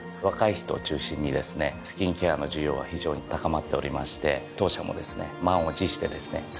若い人を中心にですねスキンケアの需要が非常に高まっておりまして当社もですね満を持してですね